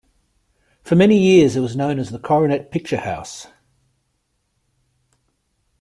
For many years it was known as the Coronet Picture House.